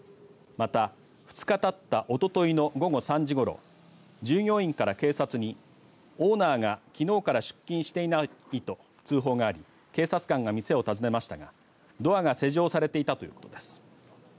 また、２日たったおとといの午後３時ごろ従業員から警察にオーナーがきのうから出勤していないと通報があり警察官が店を訪ねましたがドアが施錠されていたといいます。